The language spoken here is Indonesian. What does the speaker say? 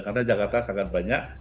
karena jakarta sangat banyak